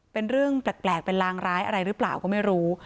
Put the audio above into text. เป็นเรื่องแปลกเป็นลางร้ายอะไรหรือเปล่าก็ไม่รู้